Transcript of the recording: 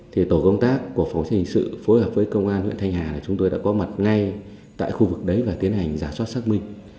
thì tổ công tác của phóng sự hình sự phối hợp với công an huyện thanh hà là chúng tôi đã có mặt ngay tại khu vực đấy và tiến hành giả soát xác minh